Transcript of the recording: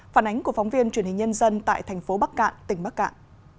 phản ánh của phóng viên truyền hình nhân dân tại thành phố bắc cạn tỉnh bắc cạn